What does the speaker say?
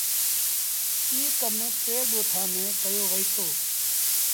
ايٚ ڪم ٽي ڳوٺآݩ ميݩ ڪيو وهيٚتو۔